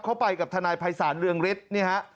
เข้าไปกับทนายภัยศาลเรืองฤทธิ์นี่ฮะ